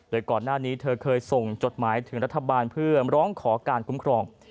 โดยก่อนหน้านี้เธอเคยส่งจดหมายถึงรัฐบาลเพื่อร้องขอการคุ้มครอง